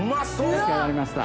出来上がりました？